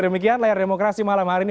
demikian layar demokrasi malam hari ini